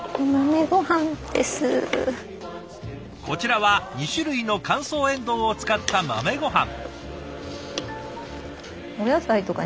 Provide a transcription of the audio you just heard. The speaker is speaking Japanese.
こちらは２種類の乾燥エンドウを使った豆ごはん。